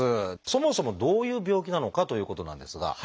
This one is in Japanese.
そもそもどういう病気なのかということなんですが。